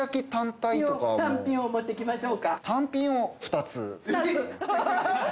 単品を持ってきましょうか？